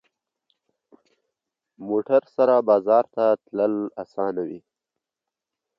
موټر سره بازار ته تلل اسانه وي.